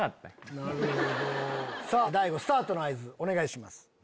さぁ大悟スタートの合図お願いします。